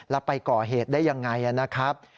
แล้วไปก่อเหตุได้ยังไงนะครับ